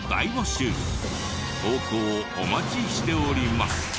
投稿お待ちしております。